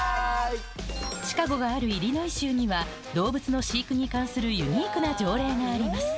シカゴがあるイリノイ州には動物の飼育に関するユニークな条例があります